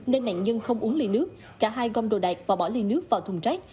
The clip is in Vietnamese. nên nạn nhân không uống ly nước cả hai gom đồ đạc và bỏ ly nước vào thùng rác